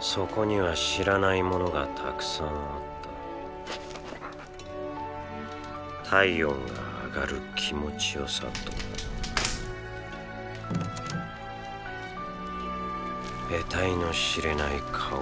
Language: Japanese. そこには知らないものがたくさんあった体温が上がる気持ちよさと得体の知れない香り。